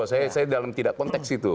saya dalam tidak konteks itu